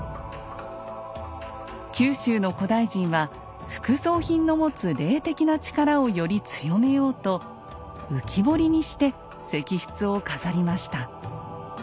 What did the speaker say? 九州の古代人は副葬品の持つ霊的な力をより強めようと浮き彫りにして石室を飾りました。